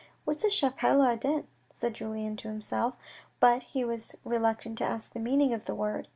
"What is a chapelle ardente" said Julien to himself. But he was reluctant to ask the meaning of this word.